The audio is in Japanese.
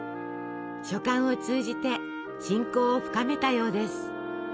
書簡を通じて親交を深めたようです。